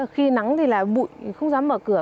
khi nắng thì bụi không dám mở cửa